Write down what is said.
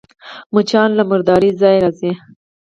مچان له مرداره ځایه راځي